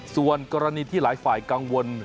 ส่วนกรณีที่หลายฝ่ายกังวล